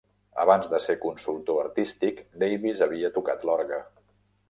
Abans de ser consultor artístic, Davis havia tocat l'orgue.